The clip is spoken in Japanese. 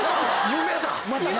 夢だ！